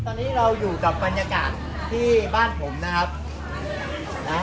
ตอนนี้เราอยู่กับบรรยากาศที่บ้านผมนะครับนะ